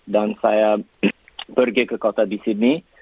dan saya pergi ke kota di sydney